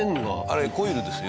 あれコイルです。